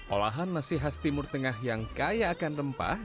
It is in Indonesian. olahan nasi khas timur tengah yang kaya akan rempah